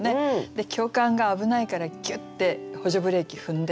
教官が危ないからギュッて補助ブレーキ踏んでしまった。